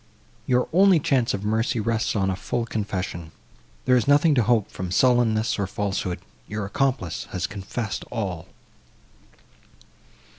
Your only chance of mercy rests on a full confession;—there is nothing to hope from sullenness, or falsehood; your accomplice has confessed all."